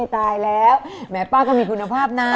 ตายแล้วแหมป้าก็มีคุณภาพนะ